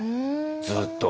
ずっと。